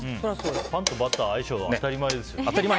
パン粉とバターが相性いいのは当たり前ですよ。